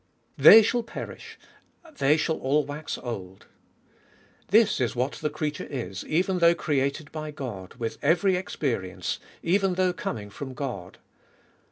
2. They shall perish : they all shall wax old : this is what the creature is, even though created by God, with every experience, even though coming from God.